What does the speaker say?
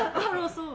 そう。